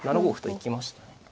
７五歩と行きましたね。